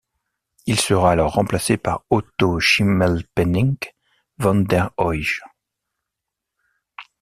Il sera alors remplacé par Otto Schimmelpenninck van der Oije.